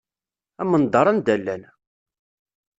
Amendeṛ anda llan.